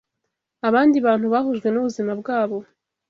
Abandi bantu bahujwe nubuzima bwabo